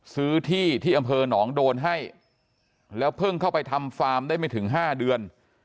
ซื้อที่ที่อำเภอหนองโดนให้แล้วเพิ่งเข้าไปทำฟาร์มได้ไม่ถึง๕เดือน